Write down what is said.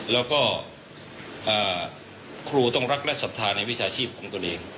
แล้วก็ครูต้องรักและศรัทธาในวิชาชีพของตนเอง